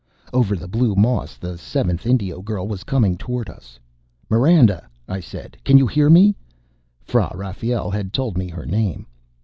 Over the blue moss the seventh Indio girl was coming toward us. "Miranda!" I said. "Can you hear me?" Fra Rafael had told me her name.